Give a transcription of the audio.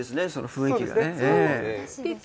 雰囲気がね。